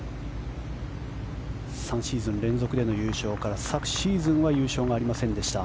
３シーズン連続優勝から昨シーズンは優勝がありませんでした。